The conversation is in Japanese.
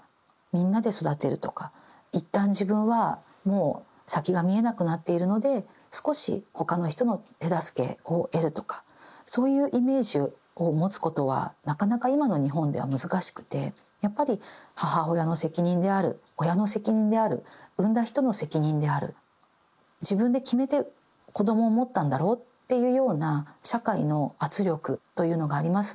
みんなで育てるとか一旦自分はもう先が見えなくなっているので少し他の人の手助けを得るとかそういうイメージを持つことはなかなか今の日本では難しくてやっぱり母親の責任である親の責任である産んだ人の責任である自分で決めて子どもを持ったんだろうっていうような社会の圧力というのがありますので。